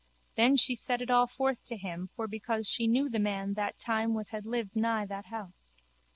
Then she set it all forth to him for because she knew the man that time was had lived nigh that house.